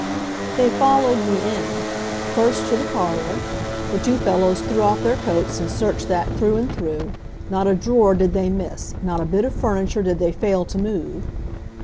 They followed me in. First to the parlor. The two fellows threw off their coats and searched that through and through not a drawer did they miss, not a bit of furniture did they fail to move.